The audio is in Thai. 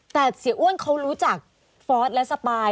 แต่เสียอ้วนเขารู้จักฟอร์สและสปาย